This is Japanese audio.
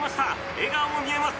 笑顔も見えます。